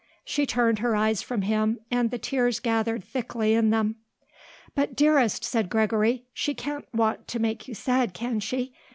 She turned her eyes from him and the tears gathered thickly in them. "But, dearest," said Gregory, "she can't want to make you sad, can she?